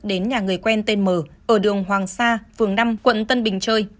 đến nhà người quen tên m ở đường hoàng sa phường năm quận tân bình chơi